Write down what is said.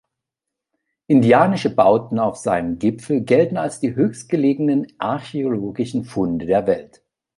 Indianische Bauten auf seinem Gipfel gelten als die höchstgelegenen archäologischen Funde der Welt.